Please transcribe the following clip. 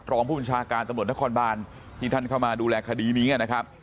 รองผู้บัญชาการตำรวจนครบานที่ท่านเข้ามาดูแลคดีนี้นะครับ